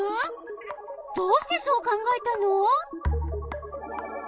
どうしてそう考えたの？